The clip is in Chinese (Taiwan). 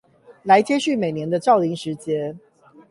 來接續每年的造林時節